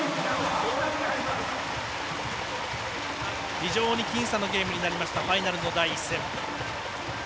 非常に僅差のゲームになりましたファイナルの第１戦。